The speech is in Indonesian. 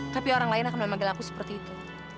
tapi orang lain akan memanggil aku seperti itu